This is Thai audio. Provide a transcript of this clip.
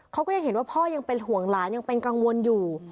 เขาก็ยังเห็นว่าพ่อยังเป็นห่วงหลานยังเป็นกังวลอยู่